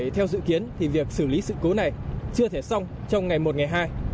theo dự kiến việc xử lý sự cố này chưa thể xong trong ngày một ngày hai